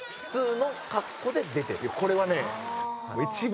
これはね。